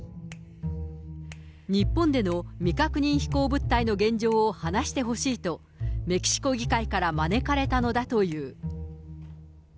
日本での未確認飛行物体の現状を話してほしいと、メキシコ議会から招かれたのだという。